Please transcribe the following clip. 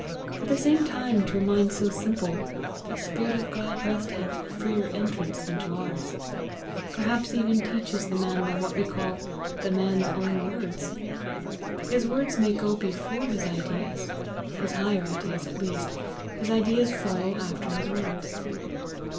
At the same time, to a mind so simple, the spirit of God must have freer entrance than to ours perhaps even teaches the man by what we call THE MAN'S OWN WORDS. His words may go before his ideas his higher ideas at least his ideas follow after his words.